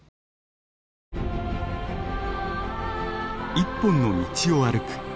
一本の道を歩く。